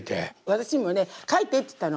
私にもね描いてって言ったの。